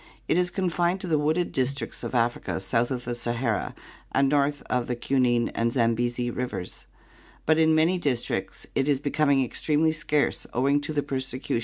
It is confined to the wooded districts of Africa south of the Sahara and north of the Cunene and Zambesi rivers, but in many districts it is becoming extremely scarce owing to the persecution of Fro.